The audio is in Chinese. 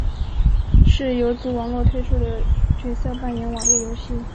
是游族网络推出的角色扮演网页游戏。